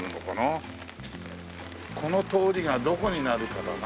この通りがどこになるかだな。